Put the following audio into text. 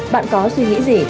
bạn có suy nghĩ gì